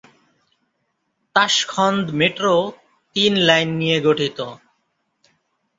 Tashkent metro তিন line নিয়ে গঠিত।